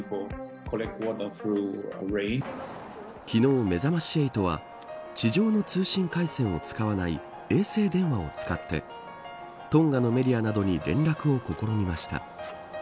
昨日、めざまし８は地上の通信回線を使わない衛星電話を使ってトンガのメディアなどに連絡を試みました。